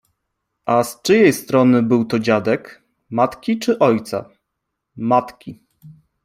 ”— Az czyjej strony był to dziadek: matki czy ojca? — Matki.